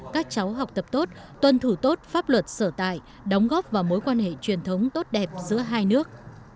các cháu học tập tốt tuân thủ tốt pháp luật sở tại đóng góp vào mối quan hệ truyền thống tốt đẹp giữa hai nước